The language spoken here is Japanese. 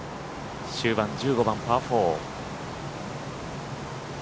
終盤１５番、パー４。